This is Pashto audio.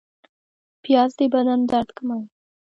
پیاز د بدن درد کموي